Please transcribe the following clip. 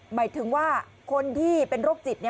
หมายถึงว่าคนที่เป็นโรคจิต